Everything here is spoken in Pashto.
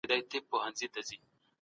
اسلام د ملکیت حق په محدود ډول ورکوي.